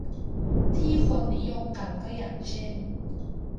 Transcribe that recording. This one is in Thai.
ที่คนนิยมกันก็อย่างเช่น